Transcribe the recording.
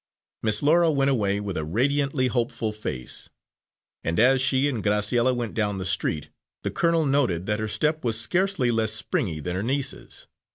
Miss Laura went away with a radiantly hopeful face, and as she and Graciella went down the street, the colonel noted that her step was scarcely less springy than her niece's.